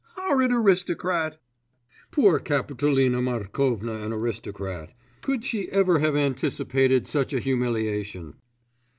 Horrid aristocrat!' Poor Kapitolina Markovna an aristocrat! Could she ever have anticipated such a humiliation?